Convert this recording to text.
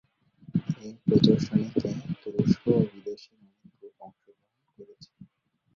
এ প্রদর্শনীতে তুরস্ক ও বিদেশের অনেক গ্রুপ অংশগ্রহণ করেছে।